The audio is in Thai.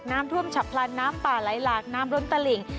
น้ำท่วมฉับพลันน้ำป่าไหลหลากน้ำล้นตะหลิ่ง